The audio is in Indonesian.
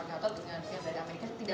tidak ada sama sekali pak